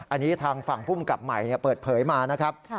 อันนี้ทางฝั่งภูมิกับใหม่เปิดเผยมานะครับ